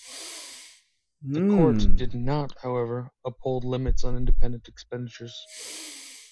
The Court did not, however, uphold limits on independent expenditures.